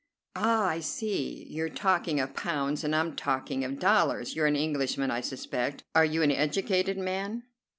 "Ah, I see. You're talking of pounds, and I'm talking of dollars. You're an Englishman, I suspect. Are you an educated man?"